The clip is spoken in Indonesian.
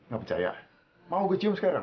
gak percaya mau gue cium sekarang